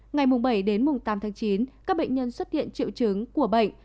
ngày bảy đến mùng tám tháng chín các bệnh nhân xuất hiện triệu chứng của bệnh